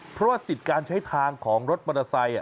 เพราะว่าสิทธิ์การใช้ทางของรถมอเตอร์ไซค์